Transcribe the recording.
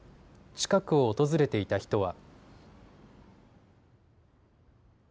近くを訪れていた人は。